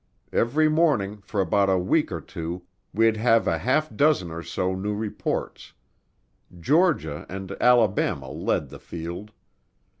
Every morning, for about a week or two, we'd have a half dozen or so new reports. Georgia and Alabama led the field.